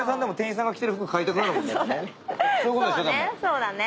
そうだね。